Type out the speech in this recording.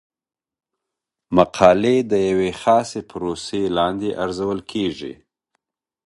مقالې د یوې خاصې پروسې لاندې ارزول کیږي.